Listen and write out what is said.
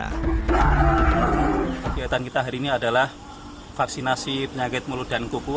kegiatan kita hari ini adalah vaksinasi penyakit mulut dan kuku